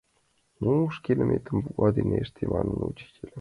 — Ну, шке лӱметым буква дене ыште! — манын учитель.